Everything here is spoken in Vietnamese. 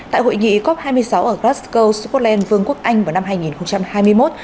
tại hội nghị cop hai mươi sáu ở glasgow scotland vương quốc anh vào năm hai nghìn hai mươi một